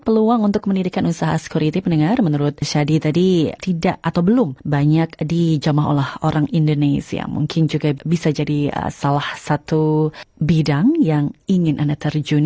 semoga usahanya berkembang dengan baik